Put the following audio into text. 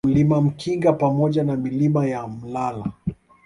Mlima Mkinga pamoja na Milima ya Mlala